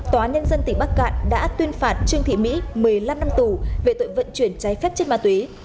tòa nhân dân tỉnh bắc cạn đã tuyên phạt trương thị mỹ một mươi năm năm tù về tội vận chuyển trái phép chất ma túy